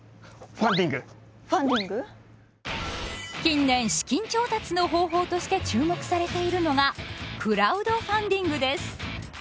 近年資金調達の方法として注目されているのが「クラウドファンディング」です。